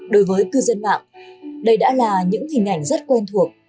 đối với cư dân mạng đây đã là những hình ảnh rất quen thuộc